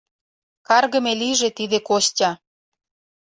Каргыме лийже тиде Костя!